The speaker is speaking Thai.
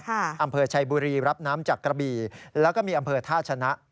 อำเภอชัยบุรีรับน้ำจากกระบี่แล้วก็มีอำเภอท่าชนะ